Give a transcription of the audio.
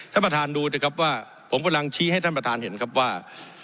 ท่านประธานดูสิครับว่าผมกำลังชี้ให้ท่านประธานเห็นครับว่า